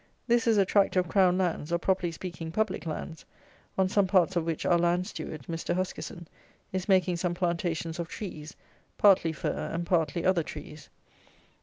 This is a tract of Crown lands, or, properly speaking, public lands, on some parts of which our Land Steward, Mr. Huskisson, is making some plantations of trees, partly fir, and partly other trees.